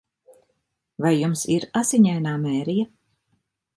Vai jums ir Asiņainā Mērija?